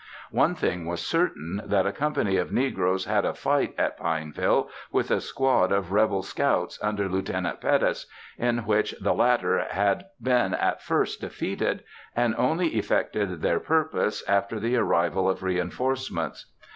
One thing was certain, that a company of negroes had a fight at Pineville, with a squad of Rebel scouts, under Lieut. Pettus, in which the latter had been at first defeated, and only effected their purpose after the arrival of reinforcements.